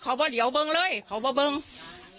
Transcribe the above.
ก็เสียชีวิตสาเหตุดีได้มั้ย